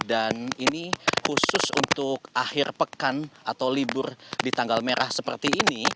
dan ini khusus untuk akhir pekan atau libur di tanggal merah seperti ini